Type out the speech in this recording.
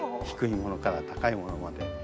低いものから高いものまで。